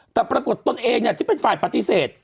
แต่ปรากฏตนเองที่เป็นฝ่ายปฏิเสธ